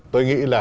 tôi nghĩ là